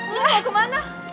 eh lo mau kemana